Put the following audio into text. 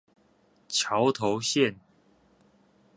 橋頭線